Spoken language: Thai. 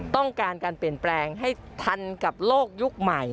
ต้องการการเปลี่ยนแปลงให้ทันกับโลกยุคใหม่